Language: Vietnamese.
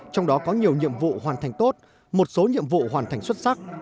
trong đó có nhiều nhiệm vụ hoàn thành tốt một số nhiệm vụ hoàn thành xuất sắc